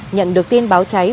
nhận được tin báo trái